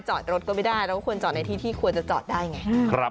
จอดรถก็ไม่ได้เราก็ควรจอดในที่ที่ควรจะจอดได้ไง